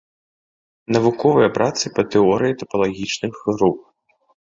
Навуковыя працы па тэорыі тапалагічных груп.